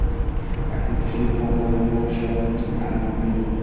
– Aksincha, shunday fuqarolari bor shohning armoni yo‘q.